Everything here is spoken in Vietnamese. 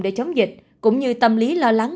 để chống dịch cũng như tâm lý lo lắng